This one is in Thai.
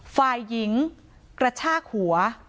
ฝ่ายหญิงกระชากหัว